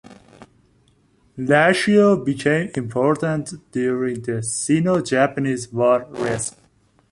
Lashio became important during the Sino-Japanese War resp.